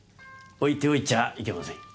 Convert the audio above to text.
置いておいちゃあいけません。